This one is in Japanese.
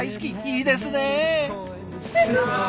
いいですね！